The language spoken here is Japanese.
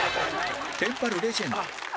テンパるレジェンド